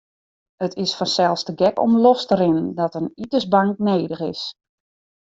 It is fansels te gek om los te rinnen dat in itensbank nedich is.